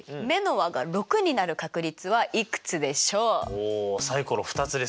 おおサイコロ２つですか。